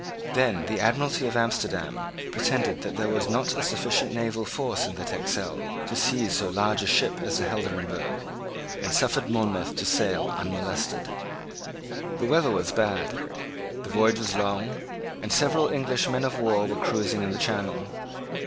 Then the Admiralty of Amsterdam pretended that there was not a sufficient naval force in the Texel to seize so large a ship as the Helderenbergh, and suffered Monmouth to sail unmolested. The weather was bad: the voyage was long; and several English men of war were cruising in the channel.